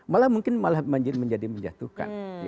malah mungkin malah menjadi menjatuhkan